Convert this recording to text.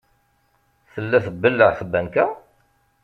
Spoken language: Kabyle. Tella tbelleɛ tbanka?